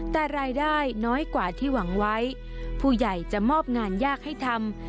แต่รายได้น้อยกว่าที่หวังไว้ผู้ใหญ่จะมอบงานยากให้ทำ